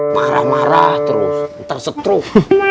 marah marah terus ntar setruh